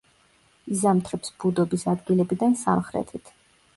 იზამთრებს ბუდობის ადგილებიდან სამხრეთით.